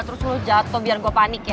terus lo jatuh biar gue panik ya